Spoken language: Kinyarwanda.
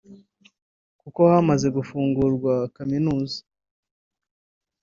kuko hamaze gufungurwa kaminuza